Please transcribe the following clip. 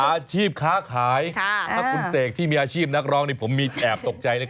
อาชีพค้าขายถ้าคุณเสกที่มีอาชีพนักร้องนี่ผมมีแอบตกใจ